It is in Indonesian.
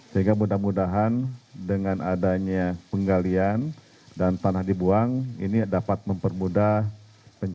sehingga mudah mudahan dengan adanya penggalian dan tanah dibuang ini dapat mempermudah pencarian